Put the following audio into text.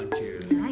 はい。